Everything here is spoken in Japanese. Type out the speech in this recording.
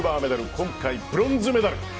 今回ブロンズメダル！